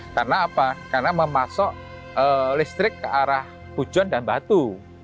karena apa karena memasok listrik ke arah hujan dan batu